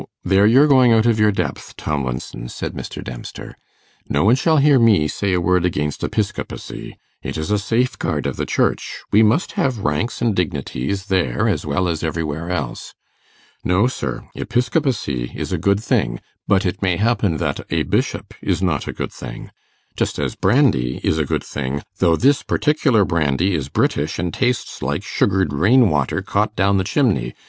There you're going out of your depth, Tomlinson,' said Mr. Dempster. 'No one shall hear me say a word against Episcopacy it is a safeguard of the Church; we must have ranks and dignities there as well as everywhere else. No, sir! Episcopacy is a good thing; but it may happen that a bishop is not a good thing. Just as brandy is a good thing, though this particular brandy is British, and tastes like sugared rain water caught down the chimney.